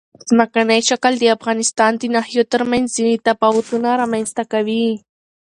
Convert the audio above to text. ځمکنی شکل د افغانستان د ناحیو ترمنځ ځینې تفاوتونه رامنځ ته کوي.